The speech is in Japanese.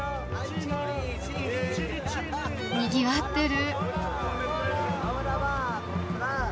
にぎわってる。